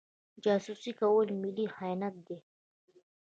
جاسوسي کول ملي خیانت دی.